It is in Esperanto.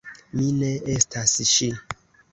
Mi ne estas ŝi.